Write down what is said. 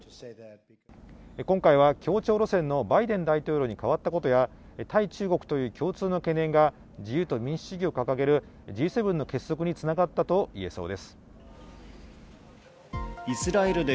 今回は協調路線のバイデン大統領に変わったことや対中国という共通の懸念が自由と民主主義を掲げるＧ７の結束に繋がったといえそうです。